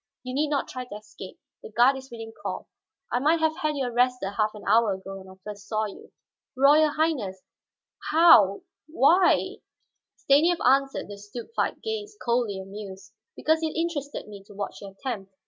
You need not try to escape; the guard is within call. I might have had you arrested half an hour ago when I first saw you." "Royal Highness, how why " Stanief answered the stupefied gaze, coldly amused. "Because it interested me to watch your attempt.